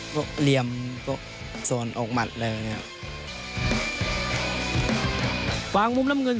ก็เหลี่ยมโสนอกมัดอะไรแบบเนี่ย